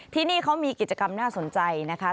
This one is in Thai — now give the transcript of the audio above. ที่นี่เขามีกิจกรรมน่าสนใจนะคะ